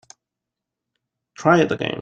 Try it again.